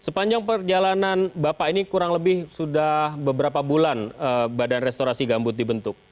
sepanjang perjalanan bapak ini kurang lebih sudah beberapa bulan badan restorasi gambut dibentuk